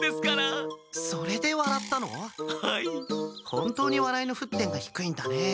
本当に笑いの沸点が低いんだね。